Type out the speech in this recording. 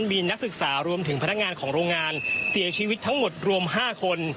นักศึกษารวมถึงพนักงานของโรงงานเสียชีวิตทั้งหมดรวม๕คน